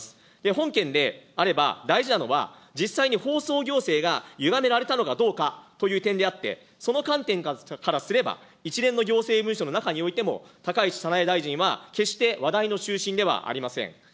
本件であれば、大事なのは、実際に放送行政がゆがめられたのかどうかという点であって、その観点からすれば、一連の行政文書の中においても、高市早苗大臣は、決して話題の中心ではありません。